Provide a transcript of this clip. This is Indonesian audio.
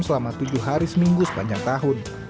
selama tujuh hari seminggu sepanjang tahun